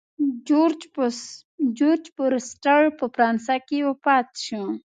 جورج فورسټر په فرانسه کې وفات شو.